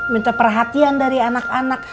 minta perhatian dari anak anak